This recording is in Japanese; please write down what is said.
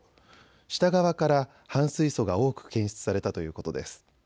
下側から反水素が多く検出されたということです。